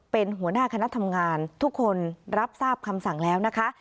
เป็นหัวหน้าคณะทำงานทุกคนรับทราบคำสั่งแล้วนะคะ